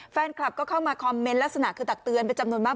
แฟนคลับก็เข้ามาคอมเมนต์ลักษณะคือตักเตือนเป็นจำนวนมาก